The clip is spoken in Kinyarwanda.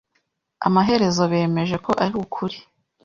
Amaherezo bemeje ko ari ukuri.